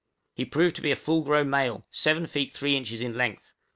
He proved to be a full grown male, 7 feet 3 inches in length.